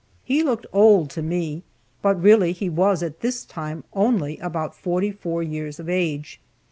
He looked old to me, but really he was, at this time, only about forty four years of age.